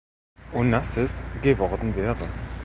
Onassis geworden wäre.